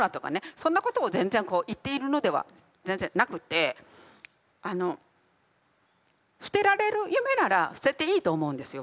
そんなことを全然言っているのでは全然なくてあの捨てられる夢なら捨てていいと思うんですよ